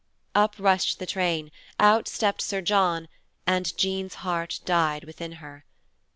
Up rushed the train, out stepped Sir John, and Jean's heart died within her.